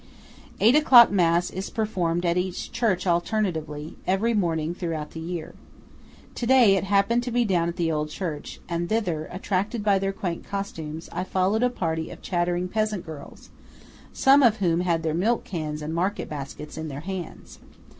Eight o'clock mass is performed at each church alternately, every morning throughout the year. To day it happened to be down at the old church, and thither, attracted by their quaint costumes, I followed a party of chattering peasant girls, some of whom had their milk cans and market baskets in their hands.